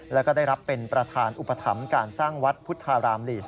แล้วก็ได้รับเป็นประธานอุปถัมภ์การสร้างวัดพุทธารามลีส